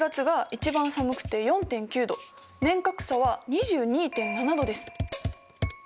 年較差は２２．７度です。